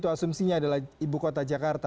asumsinya adalah ibu kota jakarta